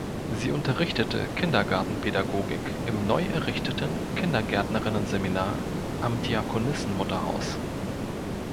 Sie unterrichtete "Kindergartenpädagogik" im neuerrichteten Kindergärtnerinnen-Seminar am Diakonissenmutterhaus.